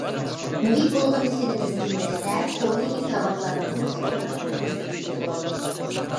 مۇھىت بۇلغىنىشىنى تىزگىنلەشتە كونا ھېساباتلارنى قىلىشقىلا بىر مەزگىل كېتىدۇ.